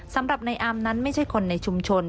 สำหรับในอามนั้นไม่ใช่คนในชุมชน